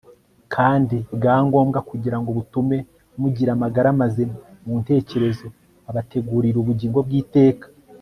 kandi bwa ngombwa kugira ngo butume mugira amagara mazima mu ntekerezo, abategurira ubugingo bw'iteka